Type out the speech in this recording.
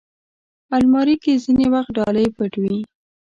الماري کې ځینې وخت ډالۍ پټ وي